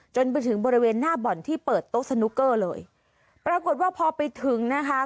จนไปถึงบริเวณหน้าบ่อนที่เปิดโต๊ะสนุกเกอร์เลยปรากฏว่าพอไปถึงนะคะ